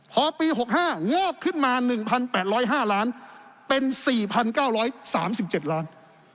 พอปี๖๕งอกขึ้นมา๑๘๐๕ล้านเป็น๔๙๓๗ล้าน